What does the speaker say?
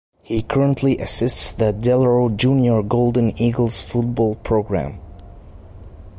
He currently assists the Del Oro Junior Golden Eagles football program.